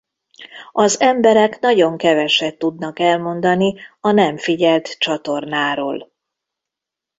Az emberek nagyon keveset tudnak elmondani a nem figyelt csatornáról.